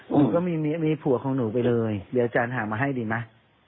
หนูก็มีผัวของหนูไปเลยเดี๋ยวอาจารย์หามาให้ดีไหม